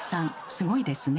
すごいですね。